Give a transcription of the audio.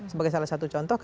sebagai salah satu contoh